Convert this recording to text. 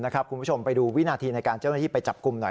คุณผู้ชมไปดูวินาทีในการเจ้าหน้าที่ไปจับกลุ่มหน่อย